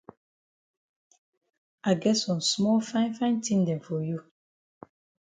I get some small fine fine tin dem for you.